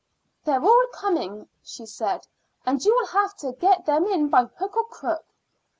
"They're all coming," she said, "and you will have to get them in by hook or crook."